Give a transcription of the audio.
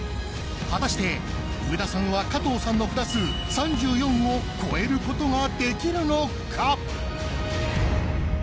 果たして上田さんは加藤さんの札数３４を超える事ができるのか？